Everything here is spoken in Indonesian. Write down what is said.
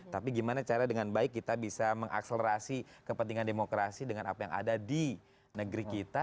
tapi gimana cara dengan baik kita bisa mengakselerasi kepentingan demokrasi dengan apa yang ada di negeri kita